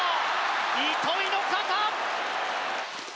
糸井の肩！